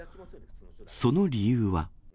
その理由は。